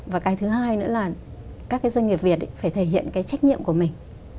và cái thứ hai nữa là các cái doanh nghiệp việt phải thể hiện cái trách nhiệm của mình